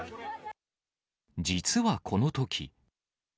実はこのとき。